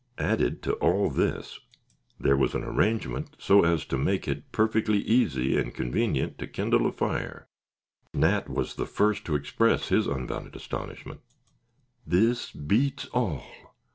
Added to all this, there was an arrangement so as to make it perfectly easy and convenient to kindle a fire. Nat was the first to express his unbounded astonishment. "This beats all.